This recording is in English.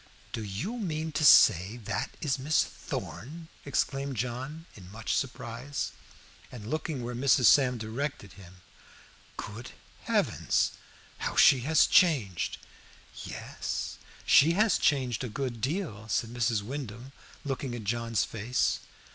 "Do you mean to say that is Miss Thorn?" exclaimed John in much surprise, and looking where Mrs. Sam directed him. "Good Heavens! How she has changed!" "Yes, she has changed a good deal," said Mrs. Wyndham, looking at John's face.